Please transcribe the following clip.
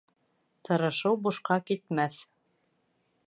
Тырышыу бушҡа китмәҫ.